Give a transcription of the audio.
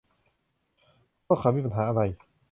พวกเค้ามีปัญหาอะไร